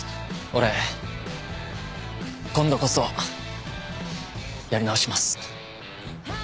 俺今度こそやり直します。